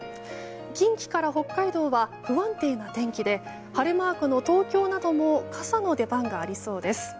近畿から北海道は不安定な天気で晴れマークの東京なども傘の出番がありそうです。